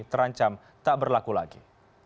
terancam tak berlaku lagi